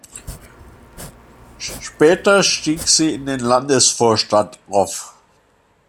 Später stieg sie in den Landesvorstand auf.